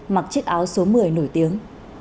mặc chiếc áo số một mươi nổi tiếng